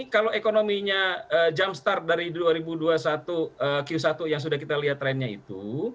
kalau ekonominya jumpstart dari dua ribu dua puluh satu q satu yang sudah kita lihat trennya itu